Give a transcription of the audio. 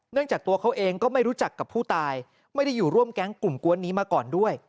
จากตัวเขาเองก็ไม่รู้จักกับผู้ตายไม่ได้อยู่ร่วมแก๊งกลุ่มกวนนี้มาก่อนด้วย